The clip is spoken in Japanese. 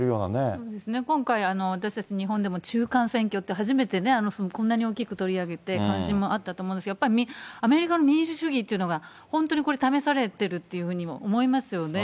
そうですね、今回、私たち、日本でも中間選挙って、初めてこんなに大きく取り上げて、関心もあったと思うんですが、やっぱりアメリカの民主主義というのが本当にこれ、試されてるっていうふうにも思いますよね。